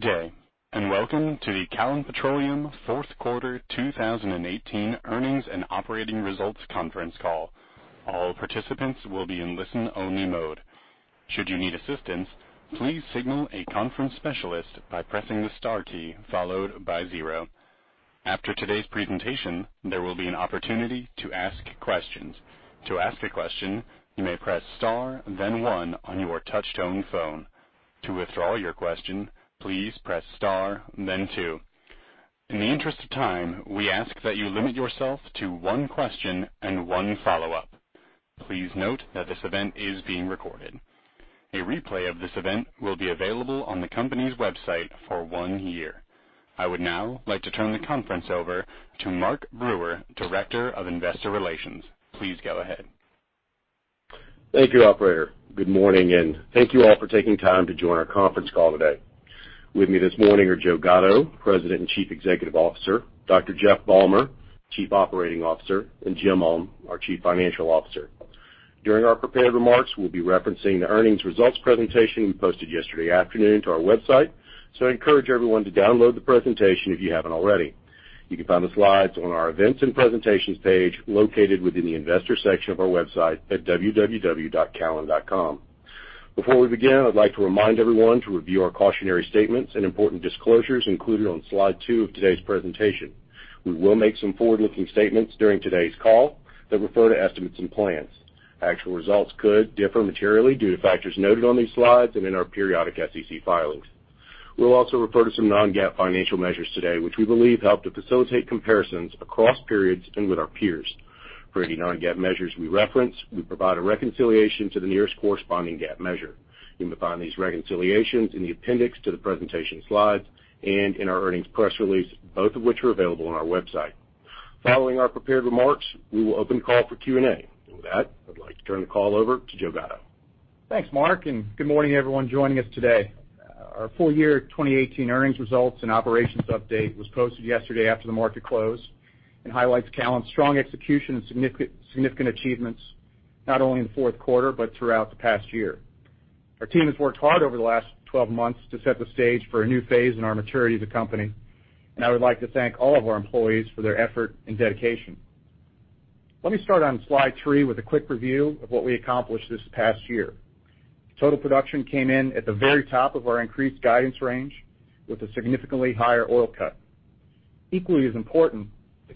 Good day, and welcome to the Callon Petroleum fourth quarter 2018 earnings and operating results conference call. All participants will be in listen-only mode. Should you need assistance, please signal a conference specialist by pressing the star key followed by zero. After today's presentation, there will be an opportunity to ask questions. To ask a question, you may press star then one on your touch-tone phone. To withdraw your question, please press star then two. In the interest of time, we ask that you limit yourself to one question and one follow-up. Please note that this event is being recorded. A replay of this event will be available on the company's website for one year. I would now like to turn the conference over to Mark Brewer, Director of Investor Relations. Please go ahead. Thank you, operator. Good morning, thank you all for taking time to join our conference call today. With me this morning are Joe Gatto, President and Chief Executive Officer, Dr. Jeff Balmer, Chief Operating Officer, and Jim Ulm, our Chief Financial Officer. During our prepared remarks, we'll be referencing the earnings results presentation we posted yesterday afternoon to our website. I encourage everyone to download the presentation if you haven't already. You can find the slides on our Events and Presentations page, located within the investor section of our website at www.callon.com. Before we begin, I'd like to remind everyone to review our cautionary statements and important disclosures included on slide two of today's presentation. We will make some forward-looking statements during today's call that refer to estimates and plans. Actual results could differ materially due to factors noted on these slides and in our periodic SEC filings. We'll also refer to some non-GAAP financial measures today, which we believe help to facilitate comparisons across periods and with our peers. For any non-GAAP measures we reference, we provide a reconciliation to the nearest corresponding GAAP measure. You may find these reconciliations in the appendix to the presentation slides and in our earnings press release, both of which are available on our website. Following our prepared remarks, we will open the call for Q&A. With that, I'd like to turn the call over to Joe Gatto. Thanks, Mark. Good morning everyone joining us today. Our full year 2018 earnings results and operations update was posted yesterday after the market closed and highlights Callon's strong execution and significant achievements, not only in the fourth quarter but throughout the past year. Our team has worked hard over the last 12 months to set the stage for a new phase in our maturity as a company. I would like to thank all of our employees for their effort and dedication. Let me start on slide three with a quick review of what we accomplished this past year. Total production came in at the very top of our increased guidance range with a significantly higher oil cut. Equally as important,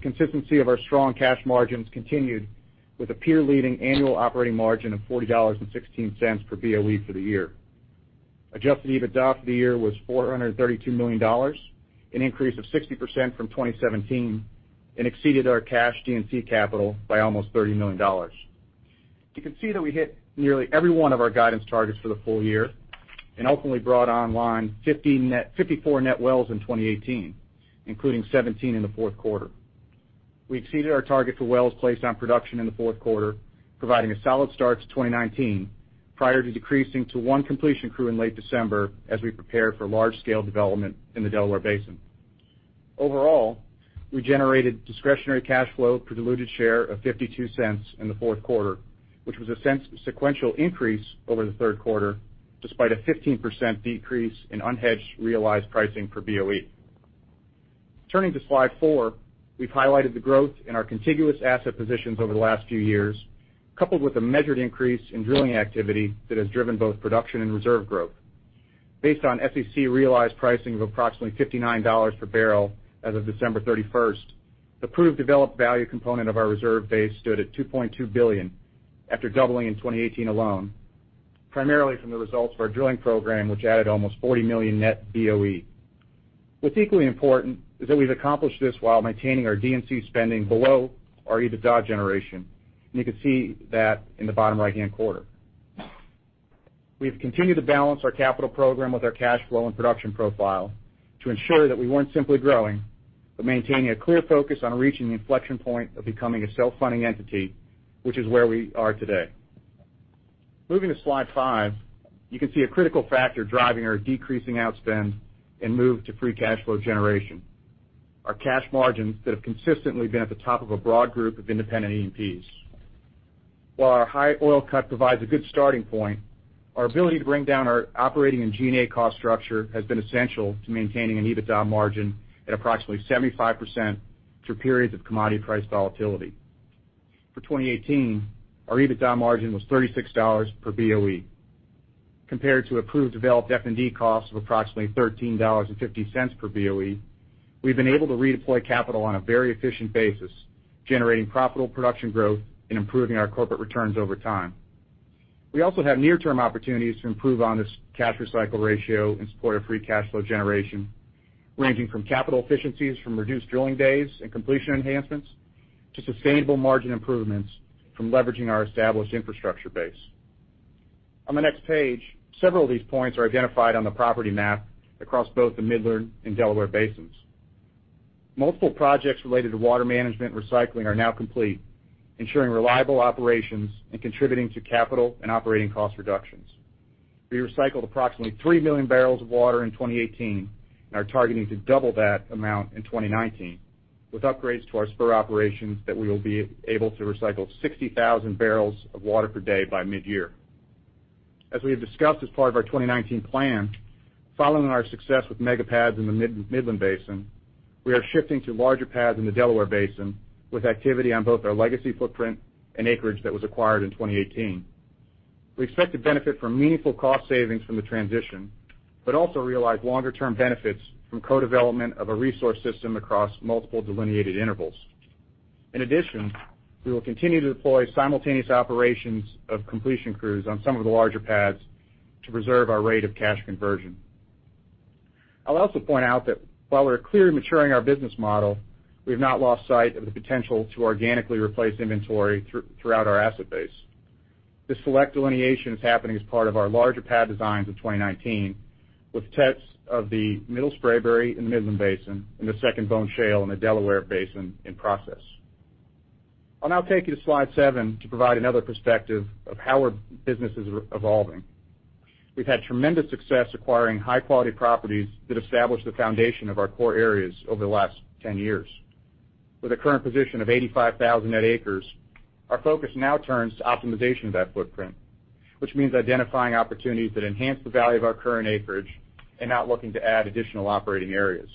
the consistency of our strong cash margins continued with a peer-leading annual operating margin of $40.16 per BOE for the year. Adjusted EBITDA for the year was $432 million, an increase of 60% from 2017. Exceeded our cash D&C capital by almost $30 million. You can see that we hit nearly every one of our guidance targets for the full year. Ultimately, brought online 54 net wells in 2018, including 17 in the fourth quarter. We exceeded our target for wells placed on production in the fourth quarter, providing a solid start to 2019, prior to decreasing to one completion crew in late December as we prepare for large-scale development in the Delaware Basin. Overall, we generated discretionary cash flow per diluted share of $0.52 in the fourth quarter, which was a sequential increase over the third quarter, despite a 15% decrease in unhedged realized pricing per BOE. Turning to slide four, we've highlighted the growth in our contiguous asset positions over the last few years, coupled with a measured increase in drilling activity that has driven both production and reserve growth. Based on SEC realized pricing of approximately $59 per barrel as of December 31st, the proved developed value component of our reserve base stood at $2.2 billion after doubling in 2018 alone, primarily from the results of our drilling program, which added almost 40 million net BOE. What's equally important is that we've accomplished this while maintaining our D&C spending below our EBITDA generation. You can see that in the bottom right-hand corner. We've continued to balance our capital program with our cash flow and production profile to ensure that we weren't simply growing, but maintaining a clear focus on reaching the inflection point of becoming a self-funding entity, which is where we are today. Moving to slide five, you can see a critical factor driving our decreasing outspend and move to free cash flow generation, our cash margins that have consistently been at the top of a broad group of independent E&Ps. While our high oil cut provides a good starting point, our ability to bring down our operating and G&A cost structure has been essential to maintaining an EBITDA margin at approximately 75% through periods of commodity price volatility. For 2018, our EBITDA margin was $36 per BOE. Compared to approved developed F&D costs of approximately $13.50 per BOE, we've been able to redeploy capital on a very efficient basis, generating profitable production growth and improving our corporate returns over time. We also have near-term opportunities to improve on this cash recycle ratio in support of free cash flow generation, ranging from capital efficiencies from reduced drilling days and completion enhancements, to sustainable margin improvements from leveraging our established infrastructure base. On the next page, several of these points are identified on the property map across both the Midland and Delaware Basins. Multiple projects related to water management recycling are now complete, ensuring reliable operations and contributing to capital and operating cost reductions. We recycled approximately three million barrels of water in 2018 and are targeting to double that amount in 2019. With upgrades to our Spur operations that we will be able to recycle 60,000 barrels of water per day by midyear. As we have discussed as part of our 2019 plan, following our success with mega pads in the Midland Basin, we are shifting to larger pads in the Delaware Basin, with activity on both our legacy footprint and acreage that was acquired in 2018. We expect to benefit from meaningful cost savings from the transition, but also realize longer-term benefits from co-development of a resource system across multiple delineated intervals. In addition, we will continue to deploy simultaneous operations of completion crews on some of the larger pads to preserve our rate of cash conversion. I'll also point out that while we're clearly maturing our business model, we've not lost sight of the potential to organically replace inventory throughout our asset base. This select delineation is happening as part of our larger pad designs of 2019, with tests of the Middle Spraberry in the Midland Basin and the Second Bone Spring in the Delaware Basin in process. I'll now take you to slide seven to provide another perspective of how our business is evolving. We've had tremendous success acquiring high-quality properties that established the foundation of our core areas over the last 10 years. With a current position of 85,000 net acres, our focus now turns to optimization of that footprint, which means identifying opportunities that enhance the value of our current acreage and not looking to add additional operating areas.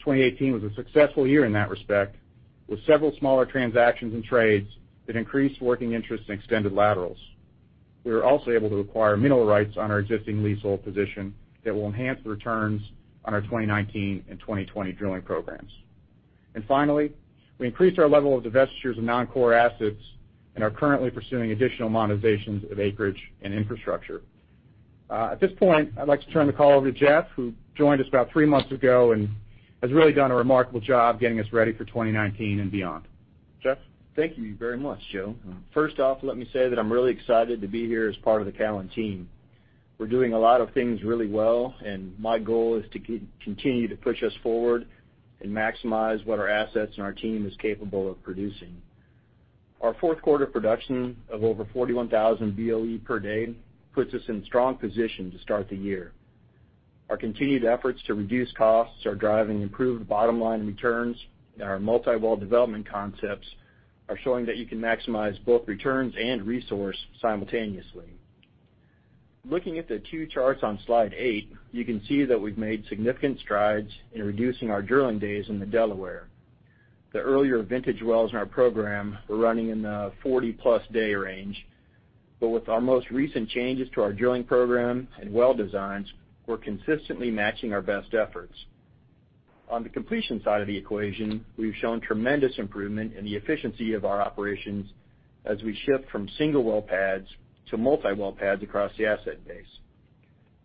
2018 was a successful year in that respect, with several smaller transactions and trades that increased working interest in extended laterals. We were also able to acquire mineral rights on our existing leasehold position that will enhance the returns on our 2019 and 2020 drilling programs. Finally, we increased our level of divestitures of non-core assets and are currently pursuing additional monetizations of acreage and infrastructure. At this point, I'd like to turn the call over to Jeff, who joined us about three months ago and has really done a remarkable job getting us ready for 2019 and beyond. Jeff? Thank you very much, Joe. First off, let me say that I'm really excited to be here as part of the Callon team. We're doing a lot of things really well, and my goal is to continue to push us forward and maximize what our assets and our team is capable of producing. Our fourth quarter production of over 41,000 BOE per day puts us in strong position to start the year. Our continued efforts to reduce costs are driving improved bottom-line returns, and our multi-well development concepts are showing that you can maximize both returns and resource simultaneously. Looking at the two charts on slide eight, you can see that we've made significant strides in reducing our drilling days in the Delaware. The earlier vintage wells in our program were running in the 40-plus day range. With our most recent changes to our drilling program and well designs, we're consistently matching our best efforts. On the completion side of the equation, we've shown tremendous improvement in the efficiency of our operations as we shift from single well pads to multi-well pads across the asset base.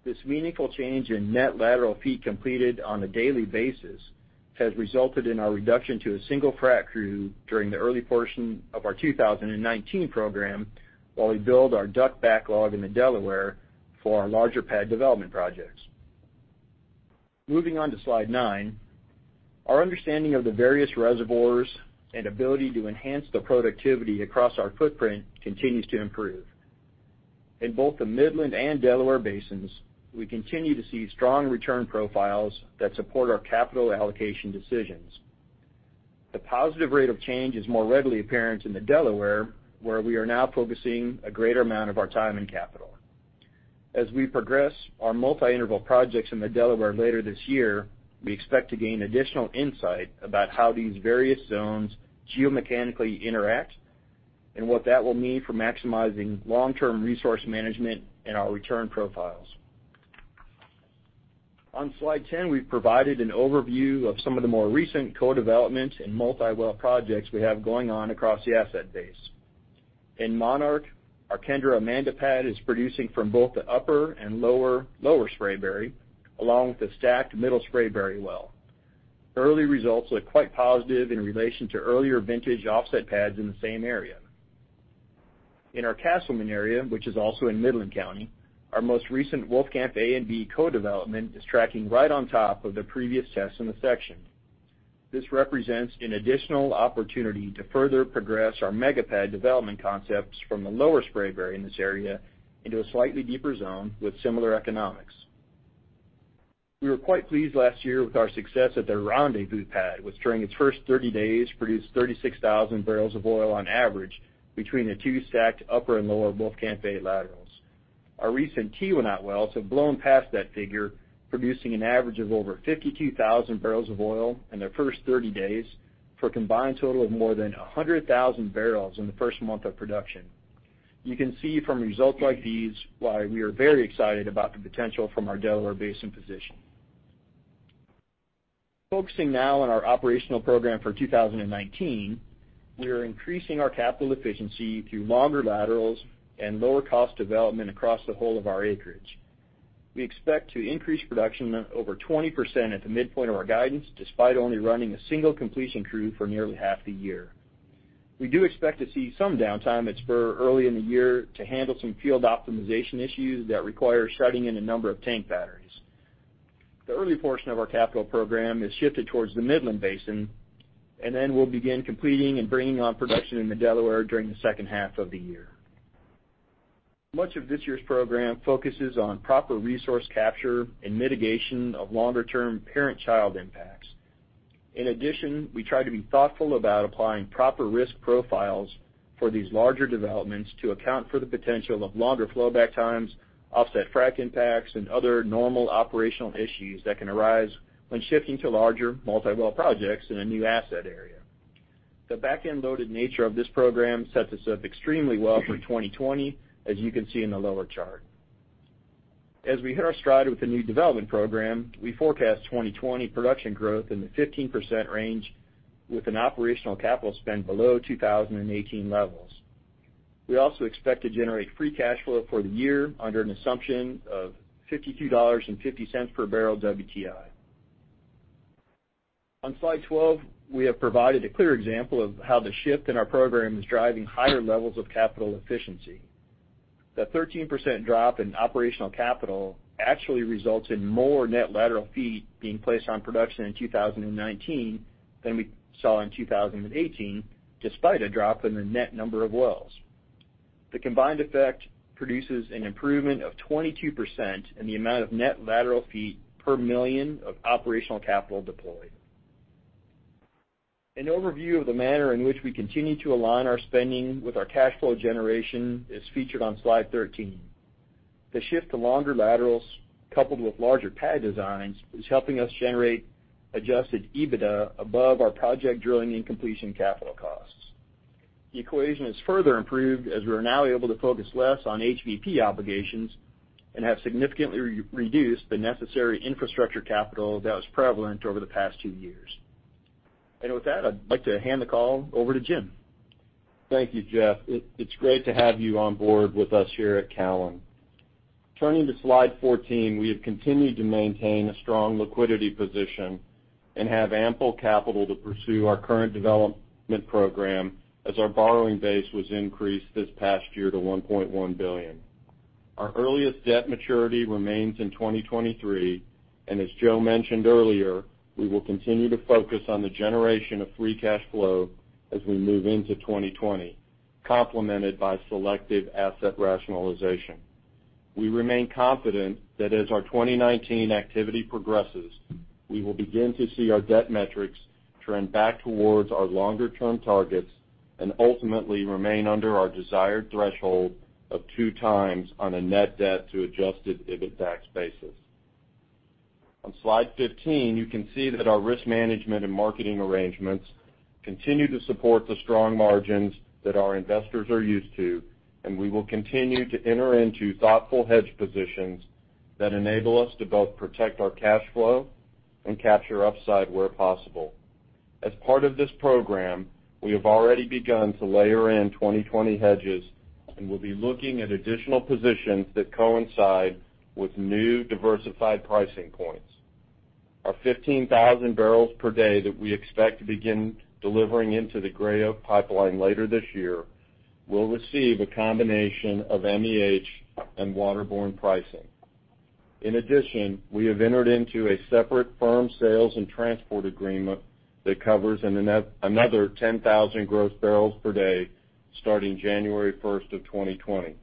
This meaningful change in net lateral feet completed on a daily basis has resulted in our reduction to a single frac crew during the early portion of our 2019 program while we build our DUC backlog in the Delaware for our larger pad development projects. Moving on to slide nine, our understanding of the various reservoirs and ability to enhance the productivity across our footprint continues to improve. In both the Midland and Delaware Basins, we continue to see strong return profiles that support our capital allocation decisions. The positive rate of change is more readily apparent in the Delaware, where we are now focusing a greater amount of our time and capital. As we progress our multi-interval projects in the Delaware later this year, we expect to gain additional insight about how these various zones geomechanically interact and what that will mean for maximizing long-term resource management and our return profiles. On slide 10, we've provided an overview of some of the more recent co-development and multi-well projects we have going on across the asset base. In Monarch, our Kendra-Amanda pad is producing from both the Upper and Lower Spraberry, along with the stacked Middle Spraberry well. Early results look quite positive in relation to earlier vintage offset pads in the same area. In our Castleman area, which is also in Midland County, our most recent Wolfcamp A and B co-development is tracking right on top of the previous tests in the section. This represents an additional opportunity to further progress our mega pad development concepts from the Lower Spraberry in this area into a slightly deeper zone with similar economics. We were quite pleased last year with our success at the Rendezvous pad, which during its first 30 days, produced 36,000 barrels of oil on average between the two stacked upper and lower Wolfcamp A laterals. Our recent Tiwa Knight wells have blown past that figure, producing an average of over 52,000 barrels of oil in their first 30 days for a combined total of more than 100,000 barrels in the first month of production. You can see from results like these why we are very excited about the potential from our Delaware Basin position. Focusing now on our operational program for 2019, we are increasing our capital efficiency through longer laterals and lower cost development across the whole of our acreage. We expect to increase production over 20% at the midpoint of our guidance, despite only running a single completion crew for nearly half the year. We do expect to see some downtime at spur early in the year to handle some field optimization issues that require shutting in a number of tank batteries. The early portion of our capital program is shifted towards the Midland Basin. We'll begin completing and bringing on production in the Delaware during the second half of the year. Much of this year's program focuses on proper resource capture and mitigation of longer-term parent-child impacts. In addition, we try to be thoughtful about applying proper risk profiles for these larger developments to account for the potential of longer flowback times, offset frac impacts, and other normal operational issues that can arise when shifting to larger multi-well projects in a new asset area. The back-end loaded nature of this program sets us up extremely well for 2020, as you can see in the lower chart. As we hit our stride with the new development program, we forecast 2020 production growth in the 15% range, with an operational capital spend below 2018 levels. We also expect to generate free cash flow for the year under an assumption of $52.50 per barrel WTI. On slide 12, we have provided a clear example of how the shift in our program is driving higher levels of capital efficiency. The 13% drop in operational capital actually results in more net lateral feet being placed on production in 2019 than we saw in 2018, despite a drop in the net number of wells. The combined effect produces an improvement of 22% in the amount of net lateral feet per million of operational capital deployed. An overview of the manner in which we continue to align our spending with our cash flow generation is featured on Slide 13. The shift to longer laterals, coupled with larger pad designs, is helping us generate adjusted EBITDA above our project drilling and completion capital costs. The equation is further improved as we're now able to focus less on HBP obligations and have significantly reduced the necessary infrastructure capital that was prevalent over the past two years. With that, I'd like to hand the call over to Jim. Thank you, Jeff. It's great to have you on board with us here at Callon. Turning to slide 14, we have continued to maintain a strong liquidity position and have ample capital to pursue our current development program as our borrowing base was increased this past year to $1.1 billion. Our earliest debt maturity remains in 2023, as Joe mentioned earlier, we will continue to focus on the generation of free cash flow as we move into 2020, complemented by selective asset rationalization. We remain confident that as our 2019 activity progresses, we will begin to see our debt metrics trend back towards our longer-term targets and ultimately remain under our desired threshold of two times on a net debt to adjusted EBITDAX basis. On slide 15, you can see that our risk management and marketing arrangements continue to support the strong margins that our investors are used to, and we will continue to enter into thoughtful hedge positions that enable us to both protect our cash flow and capture upside where possible. As part of this program, we have already begun to layer in 2020 hedges and will be looking at additional positions that coincide with new diversified pricing points. Our 15,000 barrels per day that we expect to begin delivering into the Gray Oak pipeline later this year will receive a combination of MEH and waterborne pricing. In addition, we have entered into a separate firm sales and transport agreement that covers another 10,000 gross barrels per day starting January 1st of 2020.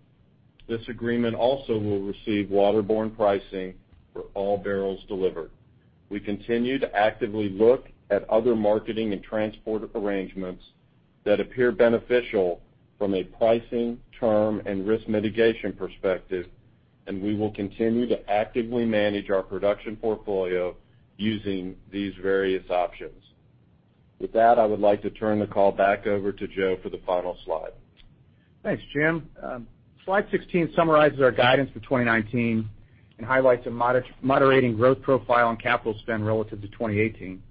This agreement also will receive waterborne pricing for all barrels delivered. We continue to actively look at other marketing and transport arrangements that appear beneficial from a pricing term and risk mitigation perspective, we will continue to actively manage our production portfolio using these various options. With that, I would like to turn the call back over to Joe for the final slide. Thanks, Jim. Slide 16 summarizes our guidance for 2019 and highlights a moderating growth profile and capital spend relative to 2018.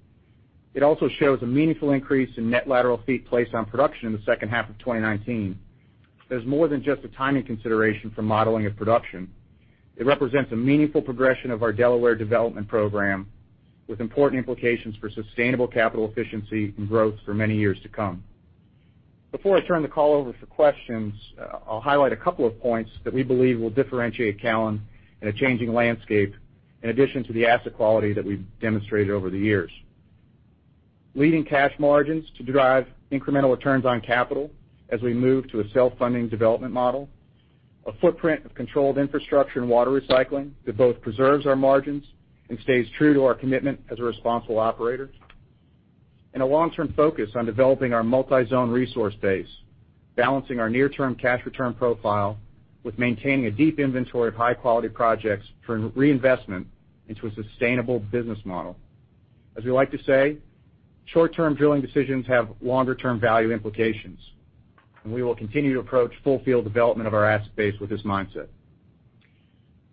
It also shows a meaningful increase in net lateral feet placed on production in the second half of 2019. There's more than just a timing consideration for modeling of production. It represents a meaningful progression of our Delaware development program with important implications for sustainable capital efficiency and growth for many years to come. Before I turn the call over for questions, I'll highlight a couple of points that we believe will differentiate Callon in a changing landscape, in addition to the asset quality that we've demonstrated over the years. Leading cash margins to derive incremental returns on capital as we move to a self-funding development model. A footprint of controlled infrastructure and water recycling that both preserves our margins and stays true to our commitment as a responsible operator. A long-term focus on developing our multi-zone resource base, balancing our near-term cash return profile with maintaining a deep inventory of high-quality projects for reinvestment into a sustainable business model. As we like to say, short-term drilling decisions have longer-term value implications, we will continue to approach full field development of our asset base with this mindset.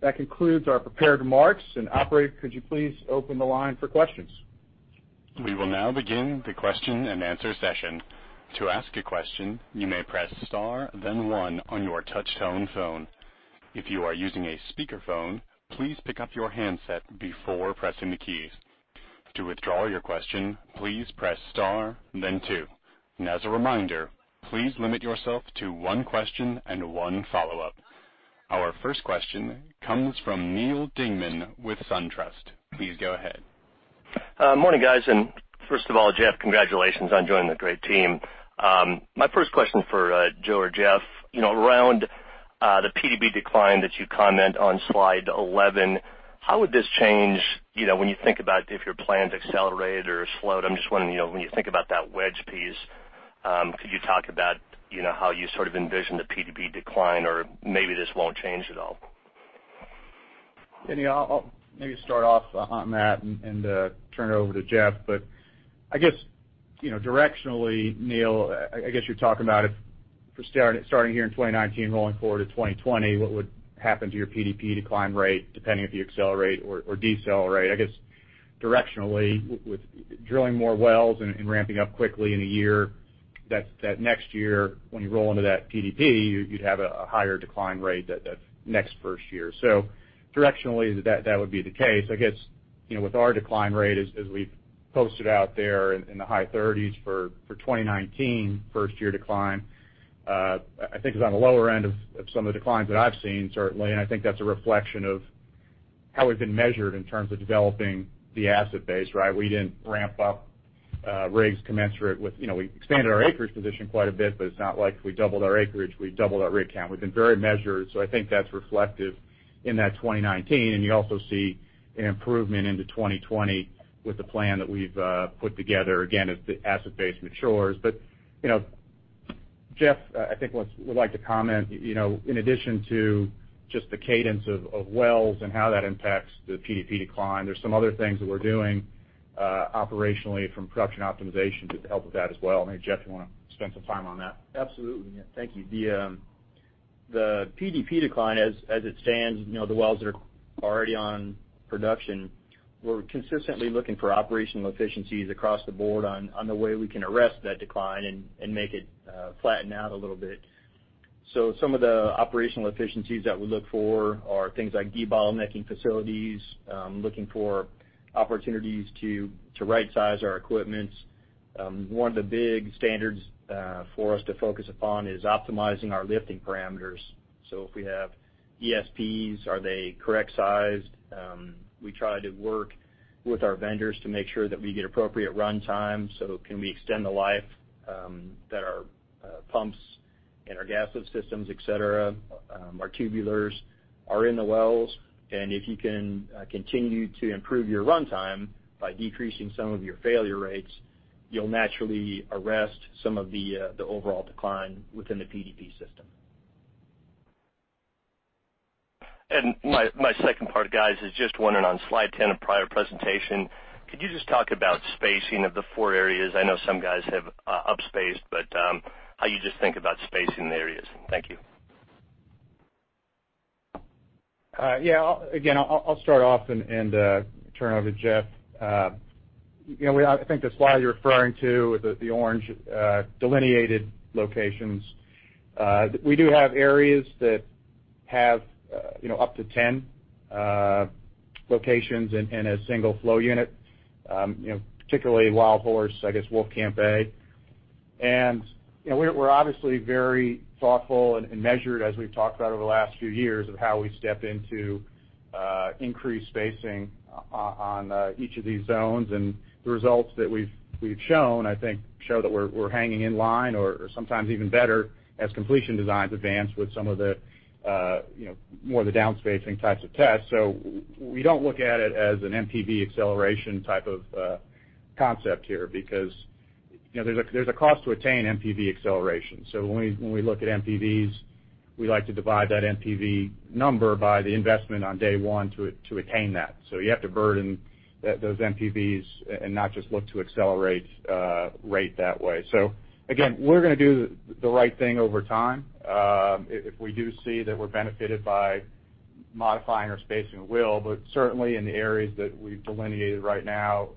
That concludes our prepared remarks, operator, could you please open the line for questions? We will now begin the question and answer session. To ask a question, you may press star then one on your touch-tone phone. If you are using a speakerphone, please pick up your handset before pressing the keys. To withdraw your question, please press star then two. As a reminder, please limit yourself to one question and one follow-up. Our first question comes from Neal Dingmann with SunTrust. Please go ahead. Morning, guys. First of all, Jeff, congratulations on joining the great team. My first question for Joe or Jeff, around the PDP decline that you comment on Slide 11, how would this change when you think about if your plans accelerated or slowed? I'm just wondering, when you think about that wedge piece, could you talk about how you sort of envision the PDP decline, or maybe this won't change at all? Neal, I'll maybe start off on that and turn it over to Jeff. Directionally, Neal, I guess you're talking about if we're starting here in 2019, rolling forward to 2020, what would happen to your PDP decline rate, depending if you accelerate or decelerate? I guess, directionally, with drilling more wells and ramping up quickly in a year, that next year when you roll into that PDP, you'd have a higher decline rate that next first year. Directionally, that would be the case. I guess, with our decline rate as we've posted out there in the high 30s for 2019 first-year decline, I think is on the lower end of some of the declines that I've seen, certainly, and I think that's a reflection of how we've been measured in terms of developing the asset base. We didn't ramp up rigs commensurate with we expanded our acreage position quite a bit, but it's not like we doubled our acreage, we doubled our rig count. We've been very measured, I think that's reflective in that 2019, and you also see an improvement into 2020 with the plan that we've put together, again, as the asset base matures. Jeff, I think, would like to comment. In addition to just the cadence of wells and how that impacts the PDP decline, there's some other things that we're doing operationally from production optimization to help with that as well. Maybe Jeff, you want to spend some time on that. Absolutely. Thank you. The PDP decline, as it stands, the wells that are already on production, we're consistently looking for operational efficiencies across the board on the way we can arrest that decline and make it flatten out a little bit. Some of the operational efficiencies that we look for are things like debottlenecking facilities, looking for opportunities to right-size our equipment. One of the big standards for us to focus upon is optimizing our lifting parameters. If we have ESPs, are they correct sized? We try to work with our vendors to make sure that we get appropriate runtime, can we extend the life that our pumps and our gas lift systems, et cetera, our tubulars are in the wells. If you can continue to improve your runtime by decreasing some of your failure rates, you'll naturally arrest some of the overall decline within the PDP system. My second part, guys, is just wondering on Slide 10 of prior presentation, could you just talk about spacing of the four areas? I know some guys have up-spaced, but how you just think about spacing the areas. Thank you. Yeah. Again, I'll start off and turn it over to Jeff. I think the slide you're referring to with the orange delineated locations. We do have areas that have up to 10 locations in a single flow unit, particularly Wild Horse, I guess Wolfcamp A. We're obviously very thoughtful and measured as we've talked about over the last few years of how we step into increased spacing on each of these zones. The results that we've shown, I think, show that we're hanging in line or sometimes even better as completion designs advance with some more of the down-spacing types of tests. We don't look at it as an NPV acceleration type of concept here because there's a cost to attain NPV acceleration. When we look at NPVs, we like to divide that NPV number by the investment on day one to attain that. You have to burden those NPVs and not just look to accelerate rate that way. Again, we're going to do the right thing over time. If we do see that we're benefited by modifying our spacing, we will, but certainly in the areas that we've delineated right now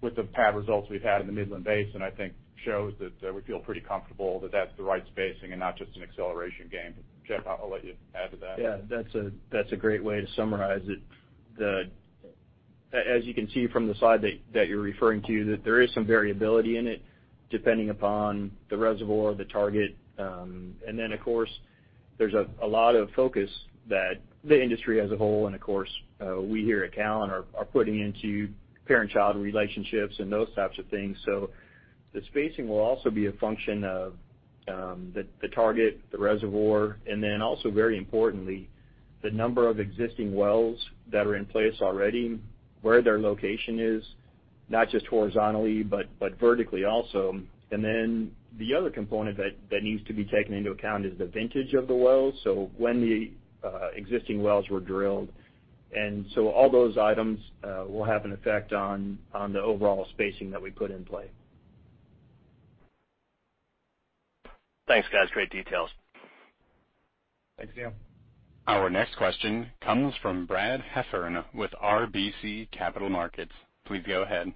with the pad results we've had in the Midland Basin, I think shows that we feel pretty comfortable that that's the right spacing and not just an acceleration game. Jeff, I'll let you add to that. Yeah. That's a great way to summarize it. As you can see from the slide that you're referring to, that there is some variability in it depending upon the reservoir, the target, and then, of course, there's a lot of focus that the industry as a whole, and of course, we here at Callon are putting into parent-child relationships and those types of things. The spacing will also be a function of the target, the reservoir, and then also very importantly, the number of existing wells that are in place already, where their location is, not just horizontally, but vertically also. The other component that needs to be taken into account is the vintage of the wells, so when the existing wells were drilled. All those items will have an effect on the overall spacing that we put in play. Thanks, guys. Great details. Thanks, Neal. Our next question comes from Brad Heffern with RBC Capital Markets. Please go ahead.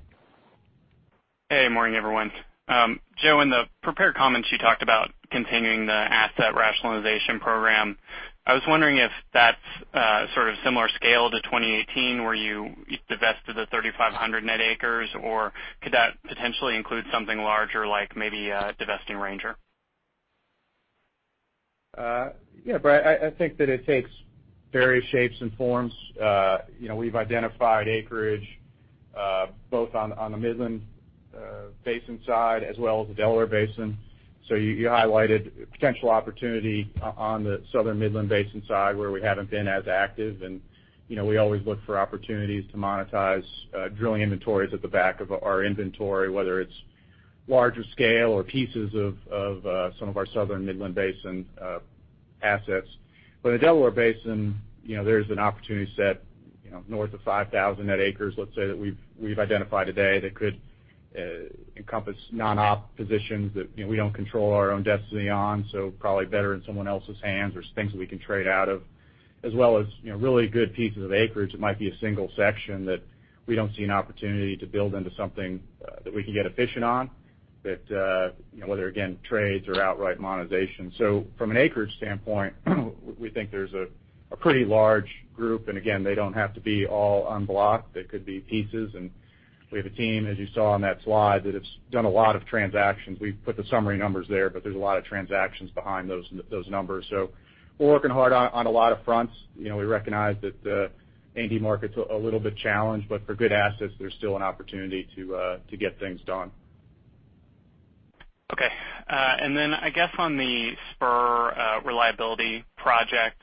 Hey, morning, everyone. Joe, in the prepared comments, you talked about continuing the asset rationalization program. I was wondering if that's sort of similar scale to 2018 where you divested the 3,500 net acres, or could that potentially include something larger, like maybe divesting Ranger? Yeah, Brad, I think that it takes various shapes and forms. We've identified acreage both on the Midland Basin side as well as the Delaware Basin. You highlighted potential opportunity on the Southern Midland Basin side where we haven't been as active, and we always look for opportunities to monetize drilling inventories at the back of our inventory, whether it's larger scale or pieces of some of our Southern Midland Basin assets. In the Delaware Basin, there's an opportunity set north of 5,000 net acres, let's say, that we've identified today that could encompass non-op positions that we don't control our own destiny on, so probably better in someone else's hands or things that we can trade out of, as well as really good pieces of acreage that might be a single section that we don't see an opportunity to build into something that we can get efficient on, whether, again, trades or outright monetization. From an acreage standpoint, we think there's a pretty large group, and again, they don't have to be all unblocked. They could be pieces, and we have a team, as you saw on that slide, that has done a lot of transactions. We've put the summary numbers there, but there's a lot of transactions behind those numbers. We're working hard on a lot of fronts. We recognize that the indie market's a little bit challenged, but for good assets, there's still an opportunity to get things done. Okay. I guess on the Spur reliability project,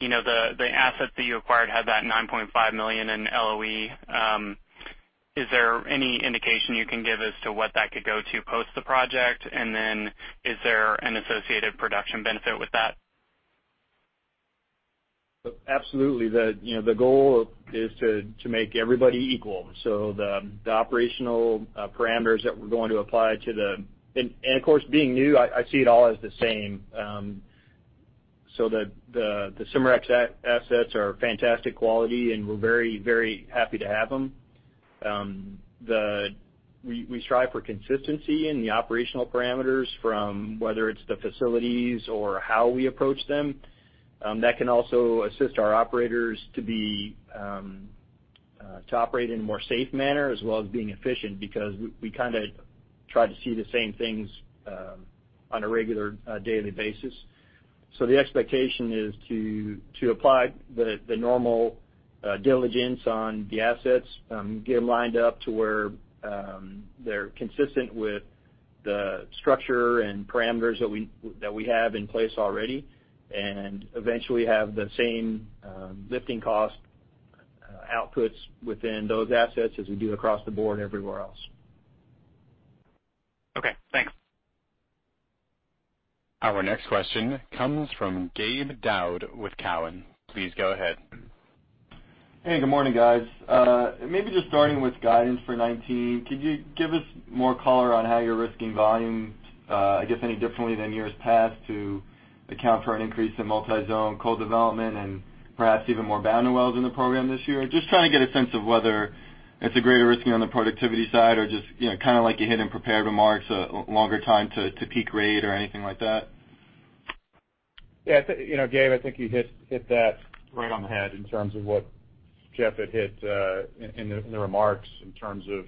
the asset that you acquired had that $9.5 million in LOE. Is there any indication you can give as to what that could go to post the project? Is there an associated production benefit with that? Absolutely. The goal is to make everybody equal. The operational parameters that we're going to apply to the Of course, being new, I see it all as the same. The Cimarex assets are fantastic quality, and we're very happy to have them. We strive for consistency in the operational parameters from whether it's the facilities or how we approach them. That can also assist our operators to operate in a more safe manner, as well as being efficient, because we try to see the same things on a regular daily basis. The expectation is to apply the normal diligence on the assets, get lined up to where they're consistent with the structure and parameters that we have in place already, and eventually have the same lifting cost outputs within those assets as we do across the board everywhere else. Okay, thanks. Our next question comes from Gabe Daoud with Cowen. Please go ahead. Good morning, guys. Starting with guidance for 2019, could you give us more color on how you are risking volume, I guess, any differently than years past to account for an increase in multi-zone co-development and perhaps even more boundary wells in the program this year? Just trying to get a sense of whether it is a greater risking on the productivity side or just like you hit in prepared remarks, a longer time to peak rate or anything like that. Gabe, I think you hit that right on the head in terms of what Jeff had hit in the remarks in terms of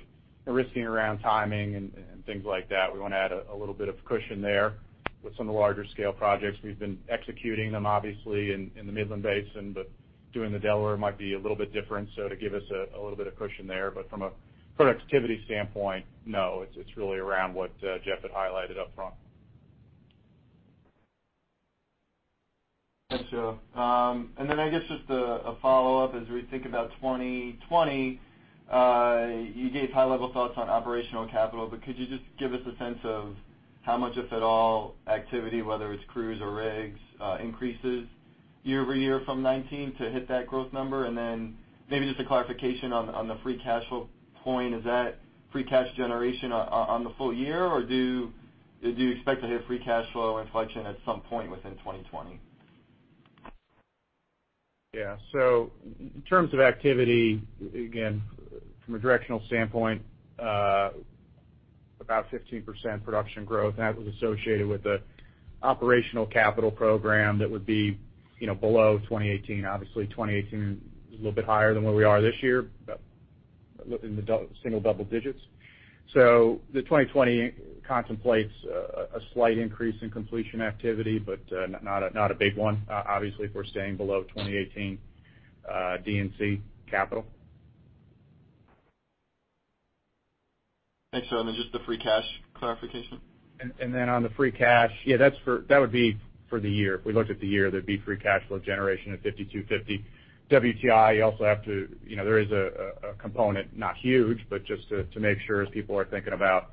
risking around timing and things like that. We want to add a little bit of cushion there with some of the larger scale projects. We have been executing them, obviously, in the Midland Basin, but doing the Delaware might be a little bit different, to give us a little bit of cushion there. From a productivity standpoint, no, it is really around what Jeff had highlighted up front. Thanks, Joe. I guess just a follow-up, as we think about 2020, you gave high-level thoughts on operational capital, could you just give us a sense of how much, if at all, activity, whether it is crews or rigs, increases year-over-year from 2019 to hit that growth number? Maybe just a clarification on the free cash flow point. Is that free cash generation on the full year, or do you expect to hit free cash flow inflection at some point within 2020? In terms of activity, again, from a directional standpoint, about 15% production growth, and that was associated with the operational capital program that would be below 2018. Obviously, 2018 was a little bit higher than where we are this year, in the single double digits. The 2020 contemplates a slight increase in completion activity, but not a big one. Obviously, if we are staying below 2018 D&C capital. Thanks, Joe. Then just the free cash clarification. Then on the free cash, that would be for the year. If we looked at the year, there'd be free cash flow generation of $52.50 WTI. There is a component, not huge, but just to make sure as people are thinking about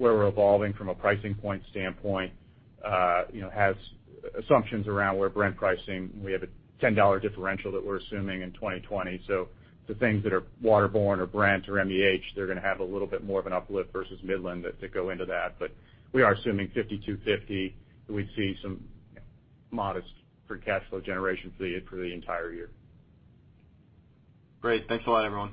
where we're evolving from a pricing point standpoint, has assumptions around where Brent pricing, we have a $10 differential that we're assuming in 2020. The things that are waterborne or Brent or MEH, they're going to have a little bit more of an uplift versus Midland that go into that. We are assuming $52.50, we'd see some modest free cash flow generation for the entire year. Great. Thanks a lot, everyone.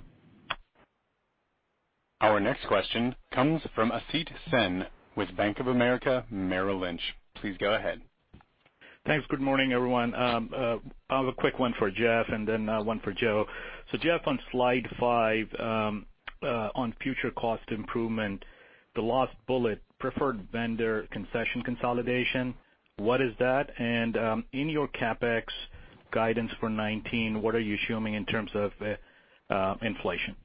Our next question comes from Asit Sen with Bank of America Merrill Lynch. Please go ahead. Thanks. Good morning, everyone. I have a quick one for Jeff and then one for Joe. Jeff, on slide 5. On future cost improvement, the last bullet, preferred vendor concession consolidation, what is that? In your CapEx guidance for 2019, what are you assuming in terms of inflation?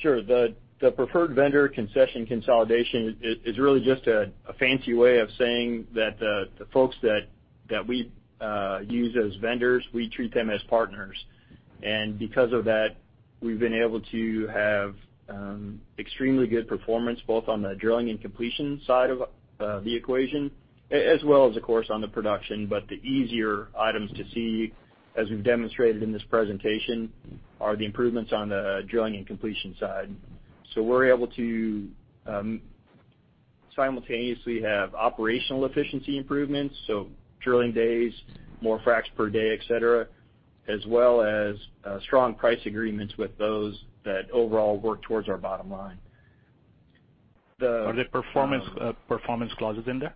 Sure. The preferred vendor concession consolidation is really just a fancy way of saying that the folks that we use as vendors, we treat them as partners. Because of that, we've been able to have extremely good performance, both on the drilling and completion side of the equation, as well as, of course, on the production. The easier items to see, as we've demonstrated in this presentation, are the improvements on the drilling and completion side. We're able to simultaneously have operational efficiency improvements, drilling days, more fracs per day, et cetera, as well as strong price agreements with those that overall work towards our bottom line. Are there performance clauses in there?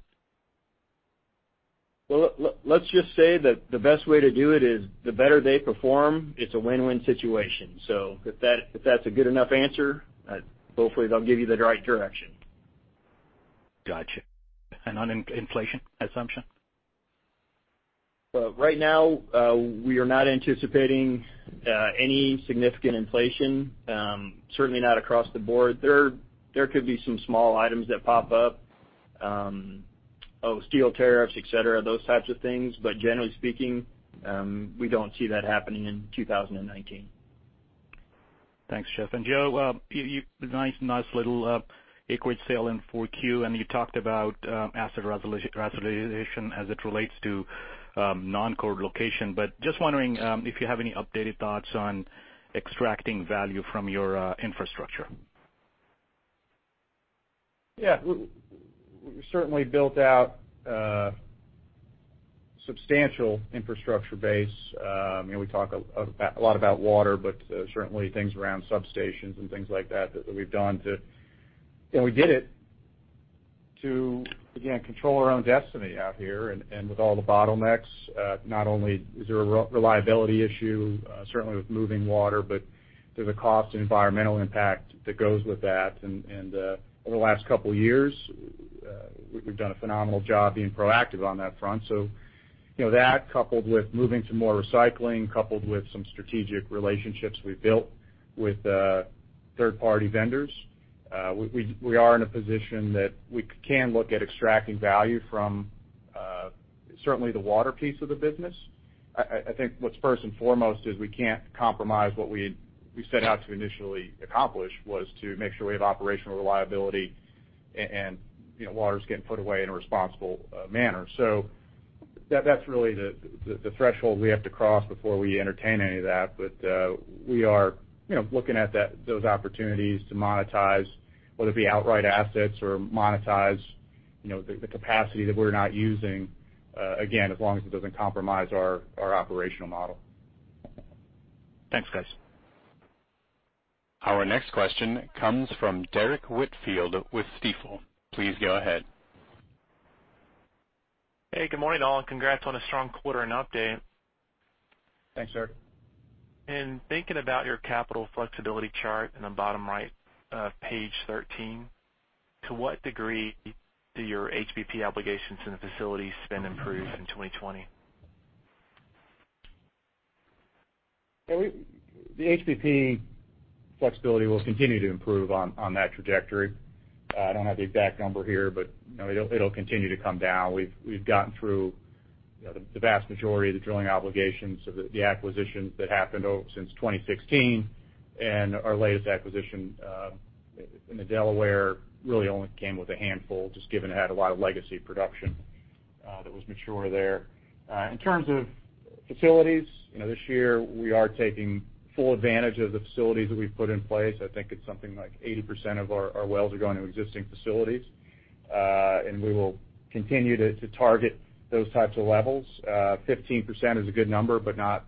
Well, let's just say that the best way to do it is the better they perform, it's a win-win situation. If that's a good enough answer, hopefully that'll give you the right direction. Got you. On inflation assumption? Right now, we are not anticipating any significant inflation, certainly not across the board. There could be some small items that pop up. Steel tariffs, et cetera, those types of things. Generally speaking, we don't see that happening in 2019. Thanks, Jeff. Joe, nice little acreage sale in 4Q, and you talked about asset realization as it relates to non-core location. Just wondering if you have any updated thoughts on extracting value from your infrastructure. Yeah. We certainly built out substantial infrastructure base. We talk a lot about water, but certainly things around substations and things like that we've done. We did it to, again, control our own destiny out here. With all the bottlenecks, not only is there a reliability issue, certainly with moving water, but there's a cost and environmental impact that goes with that. Over the last couple of years, we've done a phenomenal job being proactive on that front. That coupled with moving to more recycling, coupled with some strategic relationships we've built with third-party vendors, we are in a position that we can look at extracting value from certainly the water piece of the business. I think what's first and foremost is we can't compromise what we set out to initially accomplish, was to make sure we have operational reliability and water's getting put away in a responsible manner. That's really the threshold we have to cross before we entertain any of that. We are looking at those opportunities to monetize, whether it be outright assets or monetize the capacity that we're not using, again, as long as it doesn't compromise our operational model. Thanks, guys. Our next question comes from Derrick Whitfield with Stifel. Please go ahead. Hey, good morning, all. Congrats on a strong quarter and update. Thanks, Derrick. In thinking about your capital flexibility chart in the bottom right of page 13, to what degree do your HBP obligations in the facilities spend improve in 2020? The HBP flexibility will continue to improve on that trajectory. I don't have the exact number here, but it'll continue to come down. We've gotten through the vast majority of the drilling obligations of the acquisitions that happened since 2016, and our latest acquisition in the Delaware really only came with a handful, just given it had a lot of legacy production that was mature there. In terms of facilities, this year we are taking full advantage of the facilities that we've put in place. I think it's something like 80% of our wells are going to existing facilities. We will continue to target those types of levels. 15% is a good number, but not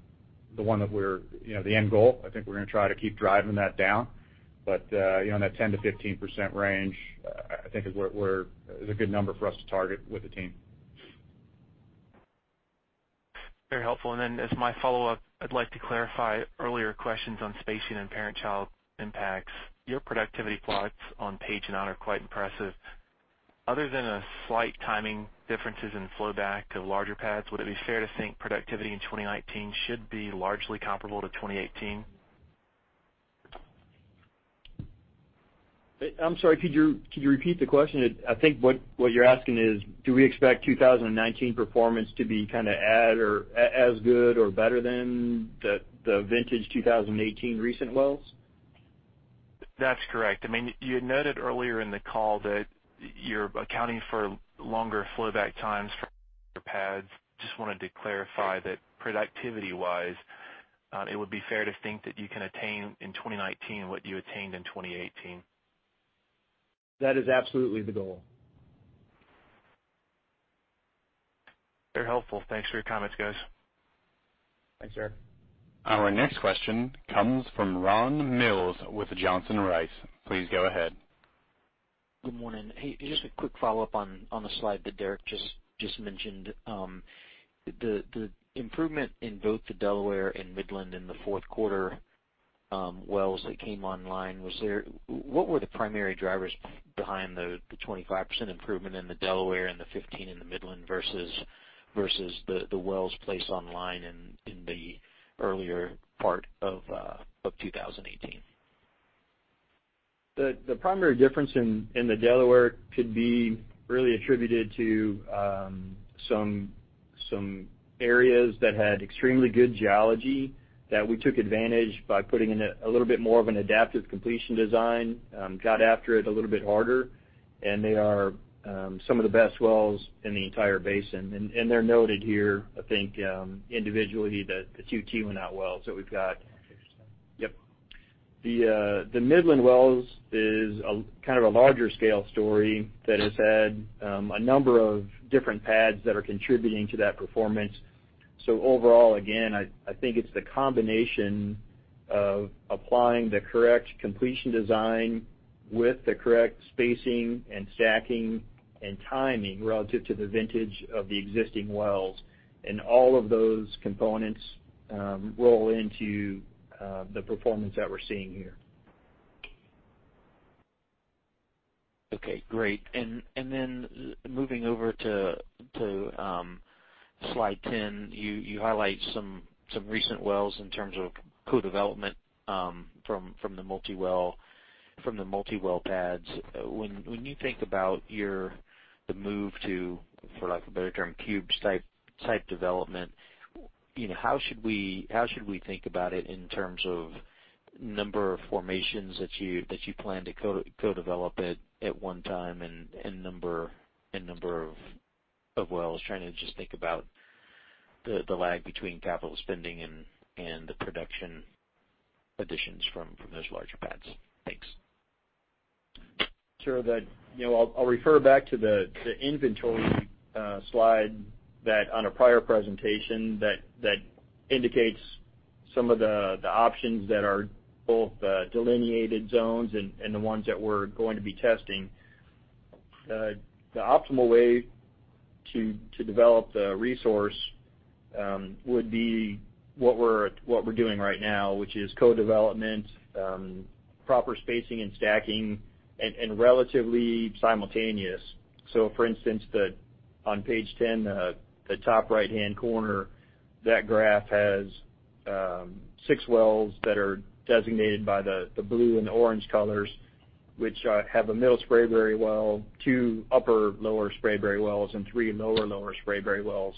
the end goal. I think we're going to try to keep driving that down. That 10%-15% range, I think, is a good number for us to target with the team. Very helpful. Then as my follow-up, I'd like to clarify earlier questions on spacing and parent-child impacts. Your productivity plots on page nine are quite impressive. Other than a slight timing differences in flow back to larger pads, would it be fair to think productivity in 2019 should be largely comparable to 2018? I'm sorry, could you repeat the question? I think what you're asking is, do we expect 2019 performance to be at or as good or better than the vintage 2018 recent wells? That's correct. You had noted earlier in the call that you're accounting for longer flow back times for your pads. Just wanted to clarify that productivity-wise, it would be fair to think that you can attain in 2019 what you attained in 2018. That is absolutely the goal. Very helpful. Thanks for your comments, guys. Thanks, Derrick. Our next question comes from Ron Mills with Johnson Rice. Please go ahead. Good morning. Hey, just a quick follow-up on the slide that Derrick just mentioned. The improvement in both the Delaware and Midland in the fourth quarter wells that came online, what were the primary drivers behind the 25% improvement in the Delaware and the 15% in the Midland versus the wells placed online in the earlier part of 2018? The primary difference in the Delaware could be really attributed to some areas that had extremely good geology that we took advantage by putting in a little bit more of an adaptive completion design, got after it a little bit harder, and they are some of the best wells in the entire basin. They're noted here, I think, individually, the two key wells that we've got. Yep. The Midland wells is a larger scale story that has had a number of different pads that are contributing to that performance. Overall, again, I think it's the combination of applying the correct completion design with the correct spacing and stacking and timing relative to the vintage of the existing wells. All of those components roll into the performance that we're seeing here. Okay, great. Then moving over to slide 10, you highlight some recent wells in terms of co-development from the multi-well pads. When you think about the move to, for lack of a better term, cube-type development, how should we think about it in terms of number of formations that you plan to co-develop at one time and number of wells? Trying to just think about the lag between capital spending and the production additions from those larger pads. Thanks. Sure. I'll refer back to the inventory slide that on a prior presentation that indicates some of the options that are both delineated zones and the ones that we're going to be testing. The optimal way to develop the resource would be what we're doing right now, which is co-development, proper spacing and stacking, and relatively simultaneous. For instance, on page 10, the top right-hand corner, that graph has six wells that are designated by the blue and the orange colors, which have a Middle Spraberry well, two Upper/Lower Spraberry wells, and three Lower/Lower Spraberry wells,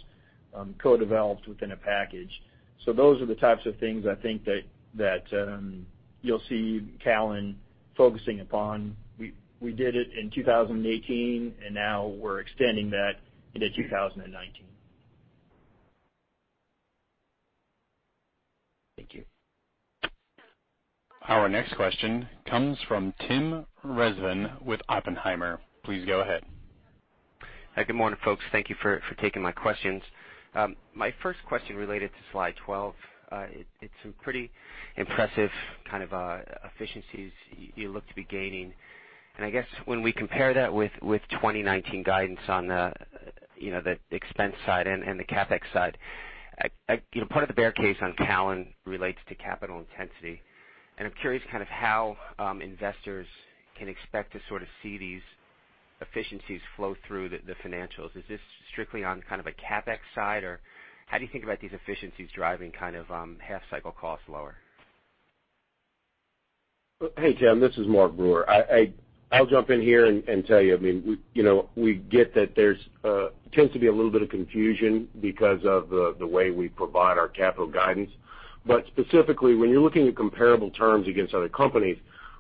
co-developed within a package. Those are the types of things, I think, that you'll see Callon focusing upon. We did it in 2018, and now we're extending that into 2019. Thank you. Our next question comes from Tim Rezvan with Oppenheimer. Please go ahead. Hi. Good morning, folks. Thank you for taking my questions. My first question related to slide 12. It's a pretty impressive efficiency you look to be gaining. I guess when we compare that with 2019 guidance on the expense side and the CapEx side, part of the bear case on Callon relates to capital intensity. I'm curious how investors can expect to see these efficiencies flow through the financials. Is this strictly on a CapEx side, or how do you think about these efficiencies driving half-cycle costs lower? Hey, Tim. This is Mark Brewer. I'll jump in here and tell you. We get that there tends to be a little bit of confusion because of the way we provide our capital guidance. Specifically, when you're looking at comparable terms against other companies,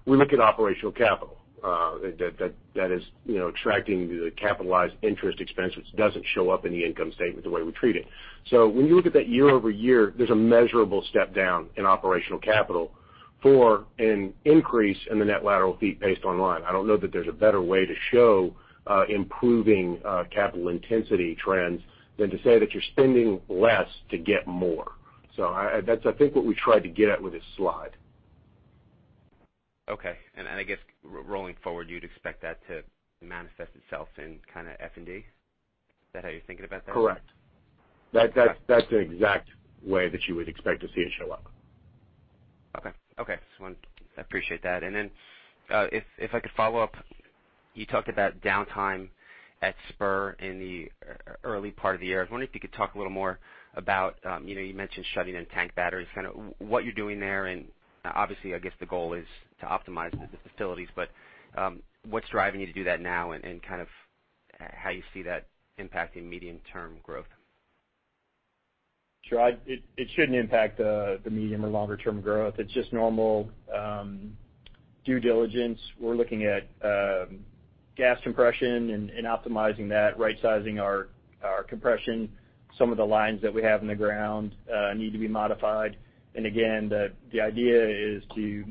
we look at operational capital. That is extracting the capitalized interest expense, which doesn't show up in the income statement the way we treat it. When you look at that year-over-year, there's a measurable step down in operational capital for an increase in the net lateral feet based online. I don't know that there's a better way to show improving capital intensity trends than to say that you're spending less to get more. That's, I think, what we tried to get at with this slide. Okay. I guess rolling forward, you'd expect that to manifest itself in F&D? Is that how you're thinking about that? Correct. Got it. That's an exact way that you would expect to see it show up. Okay. I appreciate that. Then, if I could follow up, you talked about downtime at Spur in the early part of the year. I was wondering if you could talk a little more about, you mentioned shutting in tank batteries, what you're doing there, and obviously, I guess the goal is to optimize the facilities. What's driving you to do that now, and how you see that impacting medium-term growth? Sure. It shouldn't impact the medium or longer-term growth. It's just normal due diligence. We're looking at gas compression and optimizing that, right-sizing our compression. Some of the lines that we have in the ground need to be modified. Again, the idea is to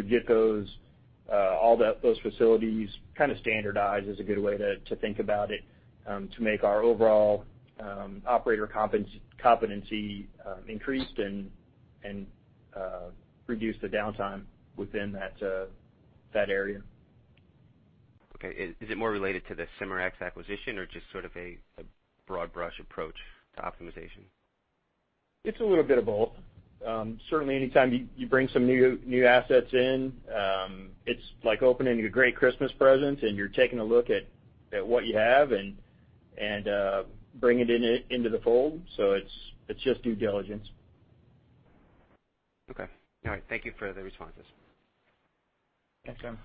get all those facilities standardized, is a good way to think about it, to make our overall operator competency increased and reduce the downtime within that area. Okay. Is it more related to the Cimarex acquisition or just sort of a broad brush approach to optimization? It's a little bit of both. Certainly, anytime you bring some new assets in, it's like opening a great Christmas present, and you're taking a look at what you have and bring it into the fold. It's just due diligence. Okay. All right. Thank you for the responses. Thanks, Jim.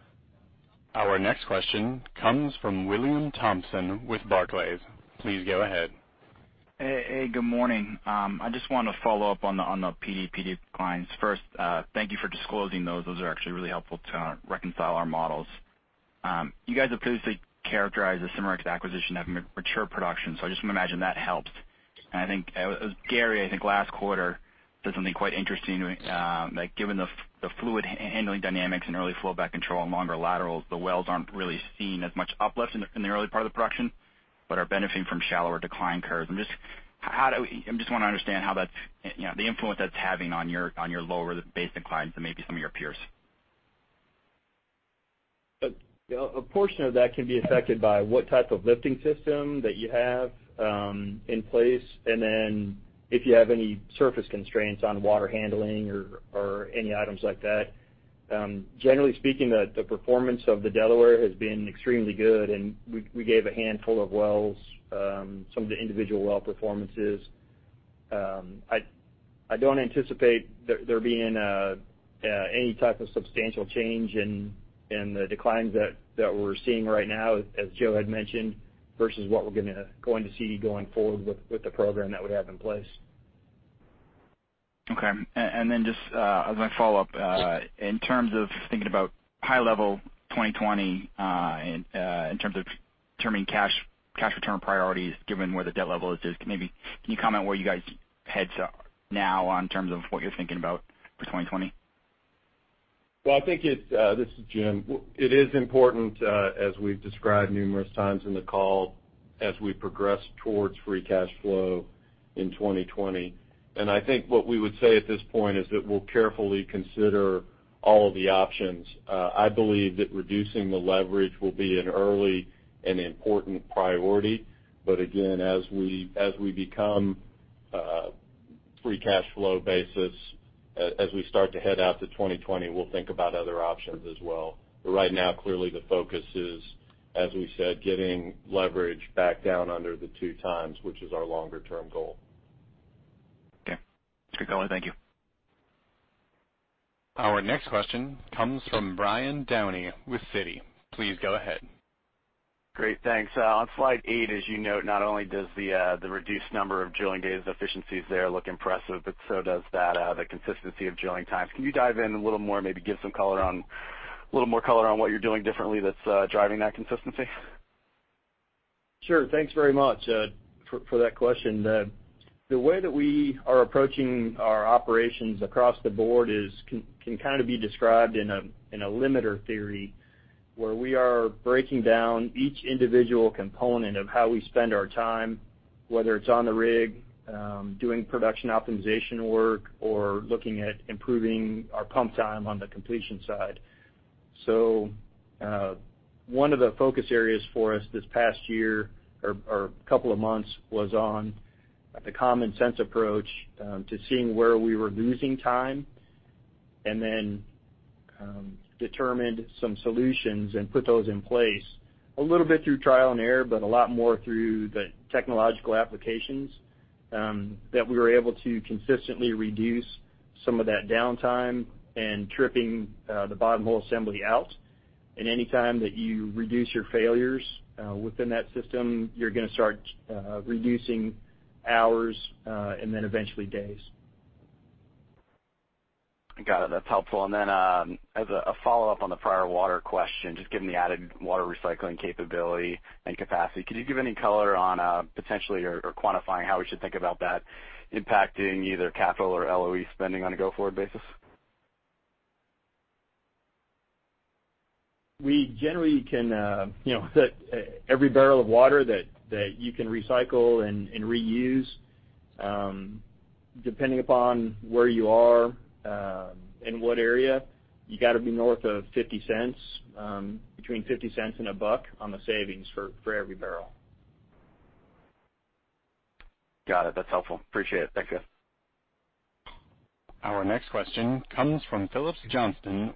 Our next question comes from William Thompson with Barclays. Please go ahead. Hey, good morning. I just want to follow up on the PDP declines. First, thank you for disclosing those. Those are actually really helpful to reconcile our models. You guys have previously characterized the Cimarex acquisition as mature production, so I just imagine that helped. Gary, I think last quarter, said something quite interesting, like given the fluid handling dynamics and early flowback control and longer laterals, the wells aren't really seeing as much uplift in the early part of the production, but are benefiting from shallower decline curves. I just want to understand the influence that's having on your lower basin declines than maybe some of your peers. A portion of that can be affected by what type of lifting system that you have in place, and then if you have any surface constraints on water handling or any items like that. Generally speaking, the performance of the Delaware has been extremely good, and we gave a handful of wells, some of the individual well performances. I don't anticipate there being any type of substantial change in the declines that we're seeing right now, as Joe had mentioned, versus what we're going to see going forward with the program that we have in place. Okay. Just as my follow-up, in terms of thinking about high level 2020, in terms of determining cash return priorities, given where the debt level is, maybe can you comment where you guys' heads are now in terms of what you're thinking about for 2020? Well, this is Jim. It is important, as we've described numerous times in the call, as we progress towards free cash flow in 2020. I think what we would say at this point is that we'll carefully consider all of the options. I believe that reducing the leverage will be an early and important priority. Again, as we become free cash flow basis, as we start to head out to 2020, we'll think about other options as well. Right now, clearly the focus is, as we said, getting leverage back down under the two times, which is our longer-term goal. Okay. Good color. Thank you. Our next question comes from Brian Downey with Citi. Please go ahead. Great. Thanks. On slide eight, as you note, not only does the reduced number of drilling days efficiencies there look impressive, but so does the consistency of drilling times. Can you dive in a little more, maybe give a little more color on what you're doing differently that's driving that consistency? Sure. Thanks very much for that question. The way that we are approaching our operations across the board can kind of be described in a limiter theory, where we are breaking down each individual component of how we spend our time, whether it's on the rig, doing production optimization work, or looking at improving our pump time on the completion side. One of the focus areas for us this past year, or couple of months, was on the common sense approach to seeing where we were losing time, and then determined some solutions and put those in place, a little bit through trial and error, but a lot more through the technological applications, that we were able to consistently reduce some of that downtime and tripping the bottom hole assembly out. Any time that you reduce your failures within that system, you're going to start reducing hours, eventually days. Got it. That's helpful. As a follow-up on the prior water question, just given the added water recycling capability and capacity, could you give any color on potentially or quantifying how we should think about that impacting either capital or LOE spending on a go-forward basis? Every barrel of water that you can recycle and reuse, depending upon where you are, in what area, you got to be north of $0.50, between $0.50 and $1.00 on the savings for every barrel. Got it. That's helpful. Appreciate it. Thank you. Our next question comes from Phillips Johnston.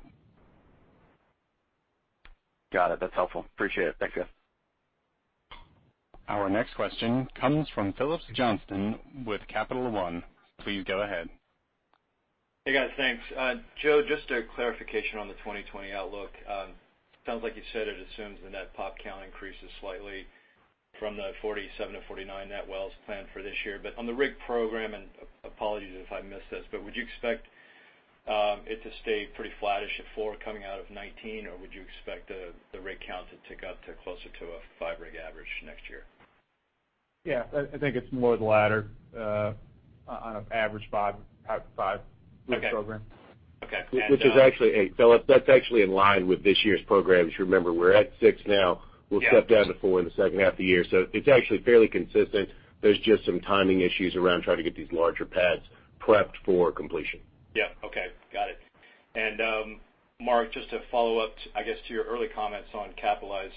Got it. That's helpful. Appreciate it. Thank you. Our next question comes from Phillips Johnston with Capital One. Please go ahead. Hey, guys. Thanks. Joe, just a clarification on the 2020 outlook. Sounds like you said it assumes the net PDP count increases slightly from the 47-49 net wells planned for this year. On the rig program, and apologies if I missed this, would you expect it to stay pretty flattish at four coming out of 2019, or would you expect the rig count to tick up to closer to a five rig average next year? Yeah. I think it's more the latter, on an average five rig program. Okay. Phillips, that's actually in line with this year's programs. You remember we're at six now. Yeah. We'll step down to four in the second half of the year. It's actually fairly consistent. There's just some timing issues around trying to get these larger pads prepped for completion. Yeah. Okay. Got it. Mark, just to follow up, I guess, to your early comments on capitalized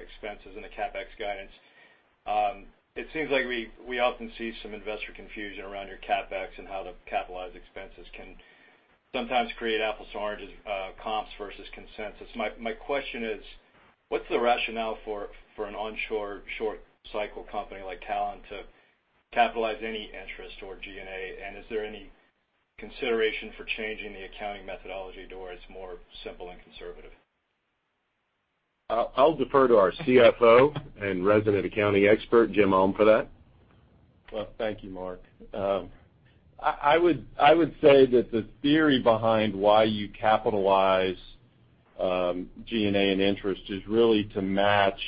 expenses and the CapEx guidance. It seems like we often see some investor confusion around your CapEx and how the capitalized expenses can sometimes create apples to oranges comps versus consensus. My question is, what's the rationale for an onshore short cycle company like Callon to capitalize any interest or G&A? Is there any consideration for changing the accounting methodology to where it's more simple and conservative? I'll defer to our CFO and resident accounting expert, Jim Ulm, for that. Well, thank you, Mark. I would say that the theory behind why you capitalize G&A and interest is really to match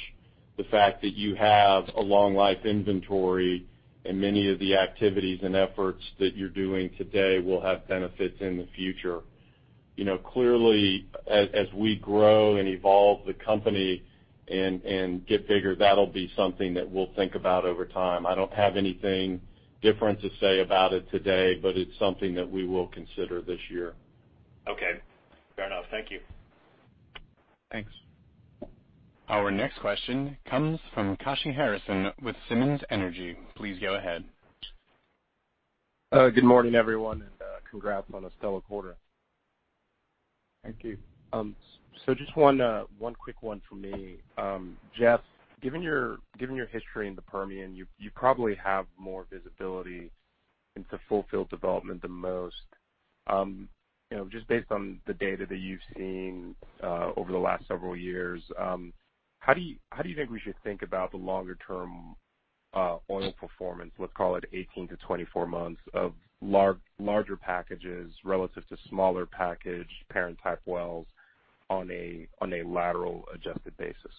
the fact that you have a long life inventory and many of the activities and efforts that you're doing today will have benefits in the future. Clearly, as we grow and evolve the company and get bigger, that'll be something that we'll think about over time. I don't have anything different to say about it today, but it's something that we will consider this year. Okay. Fair enough. Thank you. Thanks. Our next question comes from Kashy Harrison with Simmons Energy. Please go ahead. Good morning, everyone, congrats on a stellar quarter. Thank you. Just one quick one from me. Jeff, given your history in the Permian, you probably have more visibility into full-field development the most. Just based on the data that you've seen over the last several years, how do you think we should think about the longer-term oil performance, let's call it 18-24 months, of larger packages relative to smaller package parent-type wells on a lateral adjusted basis?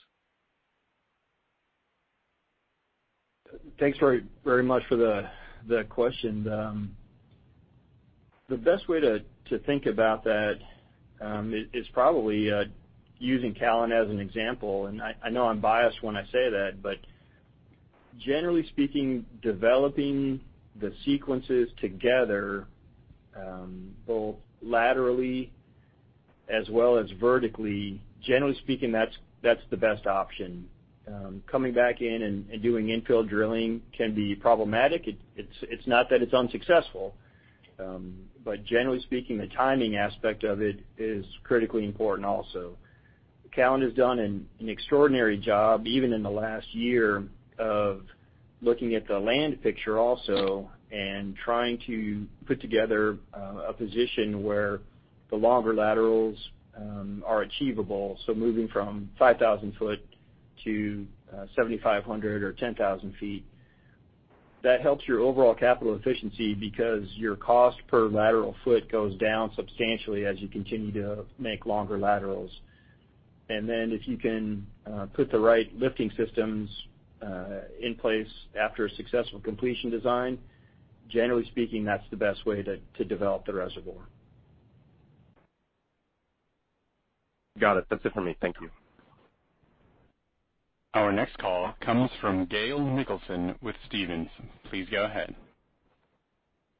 Thanks very much for the question. The best way to think about that is probably using Callon as an example, and I know I'm biased when I say that. Generally speaking, developing the sequences together, both laterally as well as vertically, generally speaking, that's the best option. Coming back in and doing infill drilling can be problematic. It's not that it's unsuccessful. Generally speaking, the timing aspect of it is critically important also. Callon has done an extraordinary job, even in the last year, of looking at the land picture also and trying to put together a position where the longer laterals are achievable. Moving from 5,000 foot to 7,500 or 10,000 feet. That helps your overall capital efficiency because your cost per lateral foot goes down substantially as you continue to make longer laterals. If you can put the right lifting systems in place after a successful completion design, generally speaking, that's the best way to develop the reservoir. Got it. That's it for me. Thank you. Our next call comes from Gail Nicholson with Stephens. Please go ahead.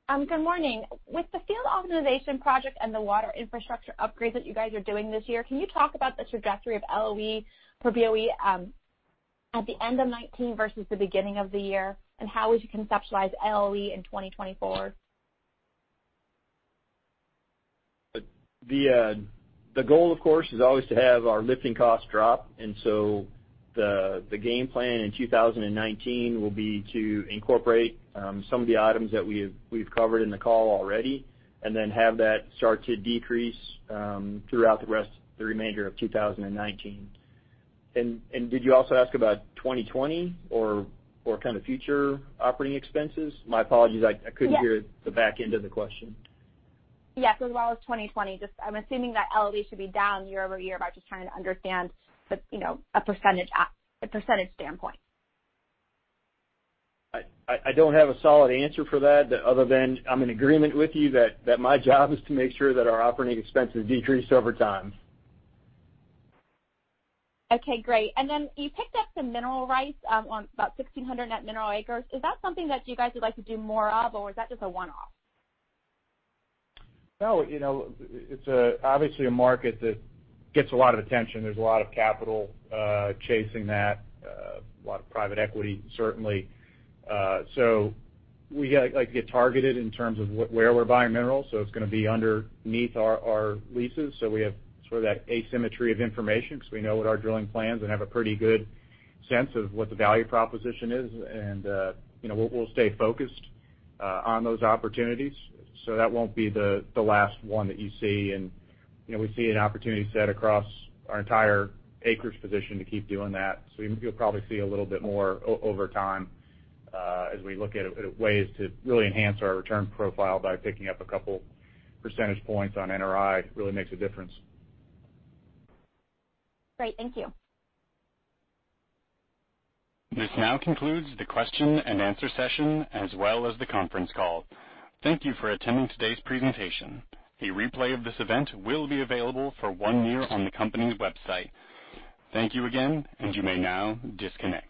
Good morning. With the field optimization project and the water infrastructure upgrades that you guys are doing this year, can you talk about the trajectory of LOE per BOE at the end of 2019 versus the beginning of the year, and how would you conceptualize LOE in 2020? The goal, of course, is always to have our lifting costs drop, so the game plan in 2019 will be to incorporate some of the items that we've covered in the call already and then have that start to decrease throughout the remainder of 2019. Did you also ask about 2020 or future operating expenses? My apologies. I couldn't hear- Yes the back end of the question. Yes, as well as 2020. I'm assuming that LOE should be down year-over-year, but just trying to understand a % standpoint. I don't have a solid answer for that, other than I'm in agreement with you that my job is to make sure that our operating expenses decrease over time. Okay, great. Then you picked up some mineral rights, about 1,600 net mineral acres. Is that something that you guys would like to do more of, or was that just a one-off? No. It's obviously a market that gets a lot of attention. There's a lot of capital chasing that, a lot of private equity, certainly. We like to get targeted in terms of where we're buying minerals, it's going to be underneath our leases. We have sort of that asymmetry of information because we know what our drilling plans and have a pretty good sense of what the value proposition is, we'll stay focused on those opportunities. That won't be the last one that you see, we see an opportunity set across our entire acreage position to keep doing that. You'll probably see a little bit more over time as we look at ways to really enhance our return profile by picking up a couple percentage points on NRI. It really makes a difference. Great. Thank you. This now concludes the question and answer session, as well as the conference call. Thank you for attending today's presentation. A replay of this event will be available for one year on the company's website. Thank you again, and you may now disconnect.